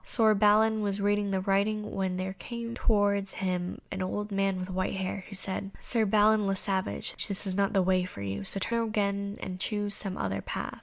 Sir Balin was still reading the writing when there came towards him an old man with white hair, who said, "Sir Balin le Savage, this is not the way for you, so turn again and choose some other path."